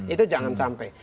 itu jangan sampai